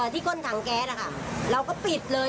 ก้นถังแก๊สเราก็ปิดเลย